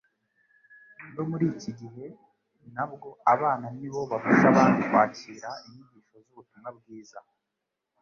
No muri iki gihe nabwo abana ni bo barusha abandi kwakira inyigisho z'ubutumwa bwiza;